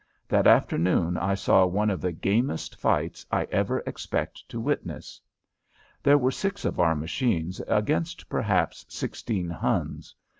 That afternoon I saw one of the gamest fights I ever expect to witness. There were six of our machines against perhaps sixteen Huns.